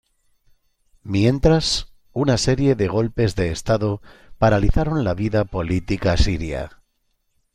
Mientras, una serie de golpes de estado paralizaron la vida política siria.